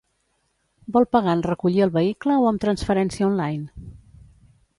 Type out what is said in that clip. Vol pagar en recollir el vehicle o amb transferència online?